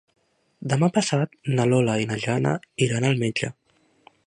Demà passat na Lola i na Jana iran al metge.